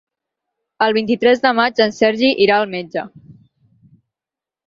El vint-i-tres de maig en Sergi irà al metge.